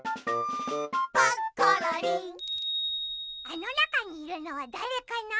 あのなかにいるのはだれかな？